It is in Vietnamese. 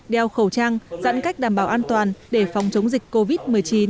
đeo khẩu trang giãn cách đảm bảo an toàn để phòng chống dịch covid một mươi chín